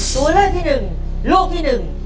ตัวเลือกที่๑ลูกที่๑